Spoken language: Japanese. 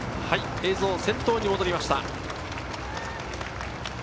映像は先頭に戻りました。